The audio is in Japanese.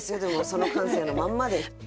その感性のまんまで。